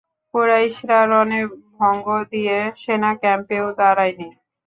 কুরাইশরা রণে ভঙ্গ দিয়ে সেনা ক্যাম্পেও দাঁড়ায়নি।